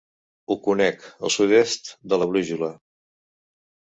Ho conec, al sud-est de la brúixola.